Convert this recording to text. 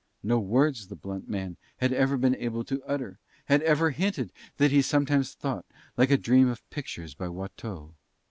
No words the blunt man had ever been able to utter had ever hinted that he sometimes thought like a dream of pictures by Watteau.